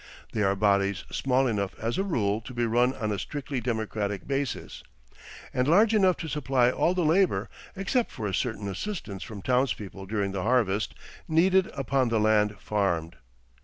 They are bodies small enough as a rule to be run on a strictly democratic basis, and large enough to supply all the labour, except for a certain assistance from townspeople during the harvest, needed upon the land farmed.